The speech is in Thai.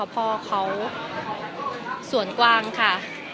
พ่อเขาส่วนกว้างค่ะ